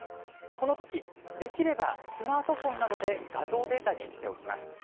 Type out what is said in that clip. この時、できればスマートフォンなどで画像データにしておきます。